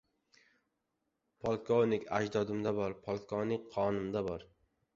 Polvonlik ajdodimda bor, polvonlik qonimda bor.